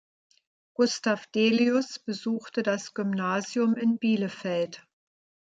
Gustav Delius besuchte das Gymnasium in Bielefeld.